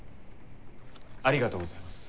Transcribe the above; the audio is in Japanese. ありがとうございます。